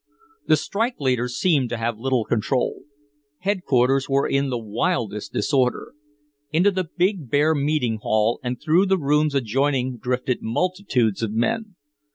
The strike leaders seemed to have little control. Headquarters were in the wildest disorder. Into the big bare meeting hall and through the rooms adjoining drifted multitudes of men.